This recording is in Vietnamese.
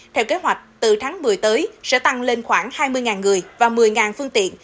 theo kế hoạch từ tháng một mươi tới sẽ tăng lên khoảng hai mươi người và một mươi phương tiện